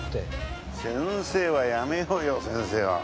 先生はやめようよ先生は。